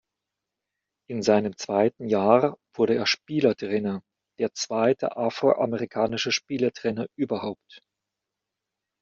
In seinem zweiten Jahr wurde er Spielertrainer, der zweite afroamerikanische Spielertrainer überhaupt.